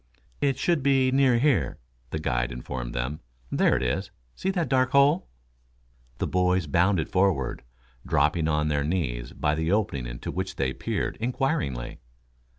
"It should be near here," the guide informed them. "There it is. See that dark hole?" The boys bounded forward, dropping on their knees by the opening into which they peered inquiringly.